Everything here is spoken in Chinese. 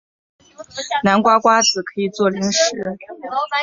南瓜瓜子可以做零食。